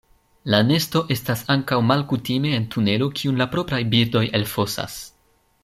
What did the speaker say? La nesto estas ankaŭ malkutime en tunelo kiun la propraj birdoj elfosas.